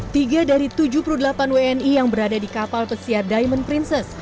tiga dari tujuh puluh delapan wni yang berada di kapal pesiar diamond princess